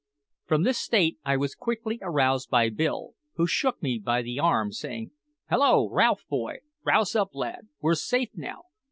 From this state I was quickly aroused by Bill, who shook me by the arm, saying: "Hallo, Ralph, boy! Rouse up, lad; we're safe now!